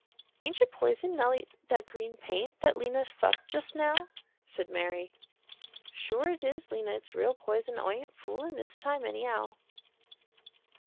"Ain't it poison, Nellie, that green paint, that Lena sucked just now," said Mary. "Sure it is Lena, its real poison, I ain't foolin' this time anyhow."